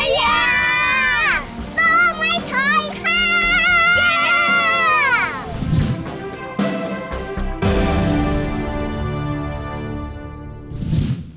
สู้ไม่ถอยค่า